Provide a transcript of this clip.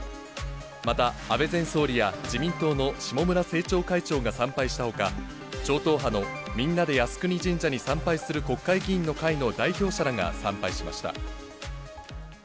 また、安倍前総理や自民党の下村政調会長が参拝したほか、超党派のみんなで靖国神社に参拝する国会議員の会の代表者らが参拝しました。